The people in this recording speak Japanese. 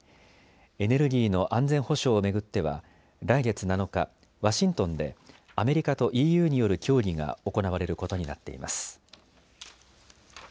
エネルギーの安全保障を巡っては来月７日、ワシントンでアメリカとＥＵによる協議が行われることになっています。